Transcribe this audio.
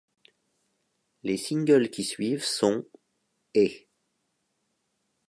Les singles qui suivent sont ' et '.